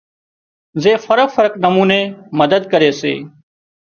زي فرق فرق نموني مدد ڪري سي